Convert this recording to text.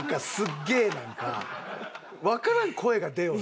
わからん声が出よる。